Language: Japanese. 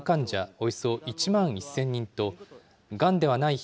およそ１万１０００人と、がんではない人